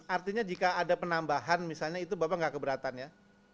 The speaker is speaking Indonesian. artinya jika ada penambahan misalnya itu bapak nggak keberatan ya